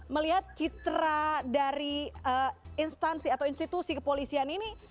melihat citra dari instansi atau institusi kepolisian ini